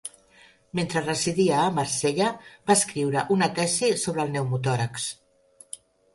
Mentre residia a Marsella va escriure una tesi sobre el pneumotòrax.